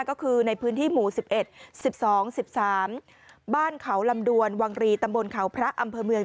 ก็คือในพื้นที่หมู่๑๑๑๒๑๓บ้านเขาลำดวนวังรีตำบลเขาพระอำเภอเมือง